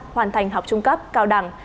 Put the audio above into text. hoàn thành học trung cấp cao đẳng